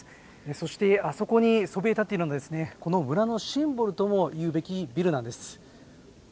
そしてあそこにそびえ立っているのがこの村のシンボルともいうべきビルなんです。